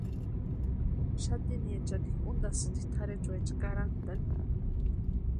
Xatiniechani untasïni tʼarhechuecha karhantani.